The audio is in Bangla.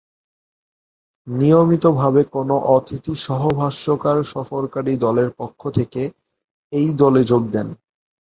নিয়মিতভাবে কোনও অতিথি সহ-ভাষ্যকার সফরকারী দলের পক্ষ থেকে এই দলে যোগ দেন।